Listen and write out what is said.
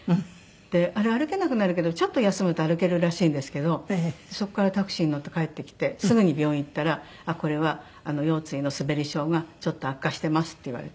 あれ歩けなくなるけどちょっと休むと歩けるらしいんですけどそこからタクシーに乗って帰ってきてすぐに病院に行ったら「これは腰椎のすべり症がちょっと悪化してます」って言われて。